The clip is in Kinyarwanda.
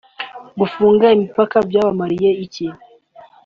Gufunga imipaka byabamariye iki